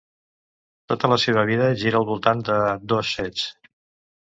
Tota la seva vida gira al voltant de dos fets